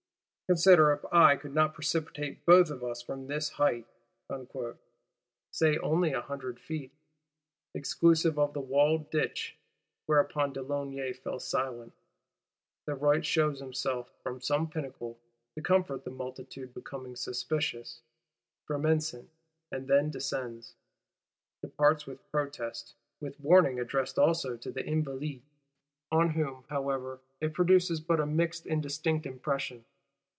_ Consider if I could not precipitate both of us from this height,'—say only a hundred feet, exclusive of the walled ditch! Whereupon de Launay fell silent. Thuriot shews himself from some pinnacle, to comfort the multitude becoming suspicious, fremescent: then descends; departs with protest; with warning addressed also to the Invalides,—on whom, however, it produces but a mixed indistinct impression.